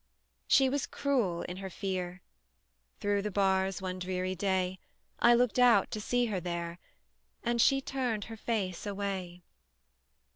She was cruel in her fear; Through the bars one dreary day, I looked out to see her there, And she turned her face away!